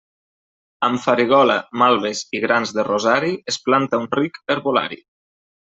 Amb farigola, malves i grans de rosari, es planta un ric herbolari.